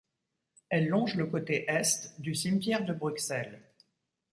Elle longe le côté est du Cimetière de Bruxelles.